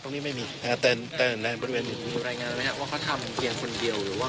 ตรงนี้ไม่มีฮะตรงนี้ไม่มีแต่ในบริเวณนี้